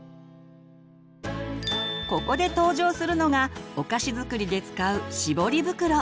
ここで登場するのがお菓子作りで使う絞り袋。